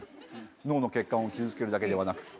脳の血管を傷つけるだけでは。